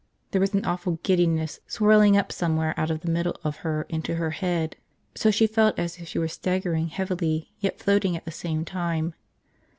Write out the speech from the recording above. There was an awful giddiness swirling up somewhere out of the middle of her into her head so she felt as if she were staggering heavily yet floating at the same time.